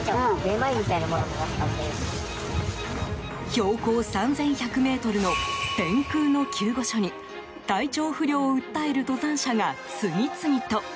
標高３１００ｍの天空の救護所に体調不良を訴える登山者が次々と。